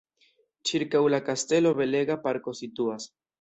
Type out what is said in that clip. Ĉirkaŭ la kastelo belega parko situas.